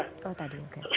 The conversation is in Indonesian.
oh tadi oke